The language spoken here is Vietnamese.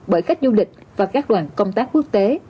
bởi khách du lịch và các đoàn công tác quốc tế